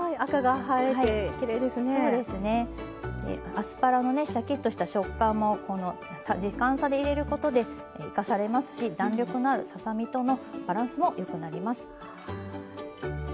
アスパラのねシャキッとした食感も時間差で入れることで生かされますし弾力のあるささ身とのバランスもよくなります。